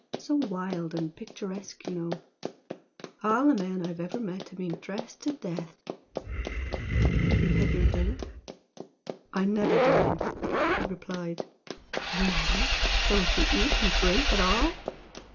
So wild and picturesque you know! All the men I've ever met have been dressed to death! Have you had your dinner?" "I never dine," he replied. "Really! Don't you eat and drink at all?"